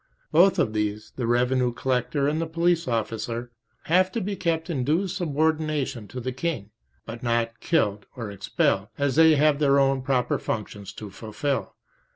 Both of these, the revenue collector and the police officer, have to be kept in due subordination to the king, but not killed or expelled, as they have their own proper functions to fulfil.